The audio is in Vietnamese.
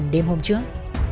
trong đêm hôm trước